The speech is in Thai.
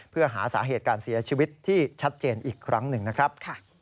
เพื่อหาสาเหตุการเสียชีวิตที่ชัดเจนอีกครั้งหนึ่งนะครับ